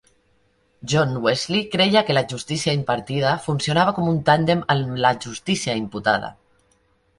John Wesley creia que la justícia impartida funcionava com un tàndem amb la justícia imputada.